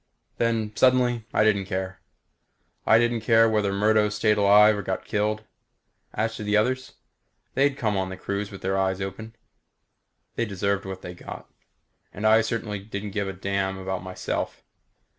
Then, suddenly, I didn't care. I didn't care whether Murdo stayed alive or got killed. As to the others they'd come on the cruise with their eyes open. They deserved whatever they got. And I certainly didn't give a damn about myself.